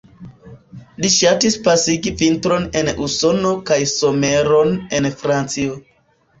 Li ŝatis pasigi vintron en Usono kaj someron en Francio.